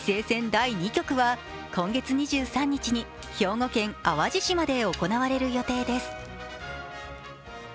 第２局は今月２３日に兵庫県淡路島で行われる予定です。